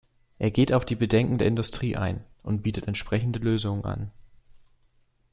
Er geht auf die Bedenken der Industrie ein und bietet entsprechende Lösungen an.